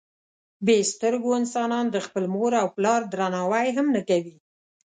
بې سترګو انسانان د خپل مور او پلار درناوی هم نه کوي.